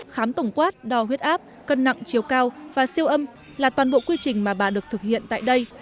khám tổng quát đo huyết áp cân nặng chiều cao và siêu âm là toàn bộ quy trình mà bà được thực hiện tại đây